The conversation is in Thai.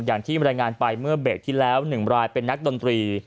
อย่างที่บรรยายงานไปเมื่อเบรกที่แล้ว๑รายเป็นนักดนตรี